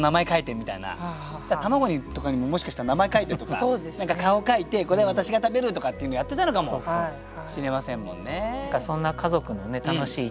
玉子とかにももしかしたら名前描いてとか顔描いて「これ私が食べる」とかっていうのやってたのかもしれませんもんね。